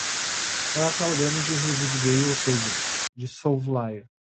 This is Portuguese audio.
Ela tá olhando de revesgueio, ou seja, de soslaio